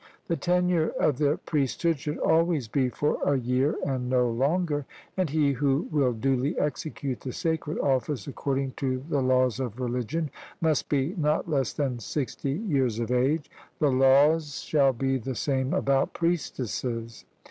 The tenure of the priesthood should always be for a year and no longer; and he who will duly execute the sacred office, according to the laws of religion, must be not less than sixty years of age the laws shall be the same about priestesses.